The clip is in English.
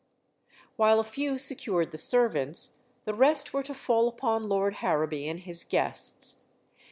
While a few secured the servants, the rest were to fall upon Lord Harrowby and his guests.